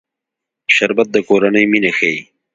شربت د کورنۍ مینه ښيي